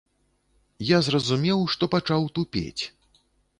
Я зразумеў, што пачаў тупець.